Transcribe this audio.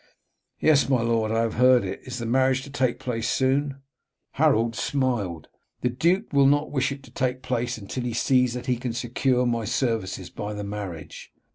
"Yes, my lord, I have heard it. Is the marriage to take place soon?" Harold smiled. "The duke will not wish it to take place until he sees that he can secure my services by the marriage.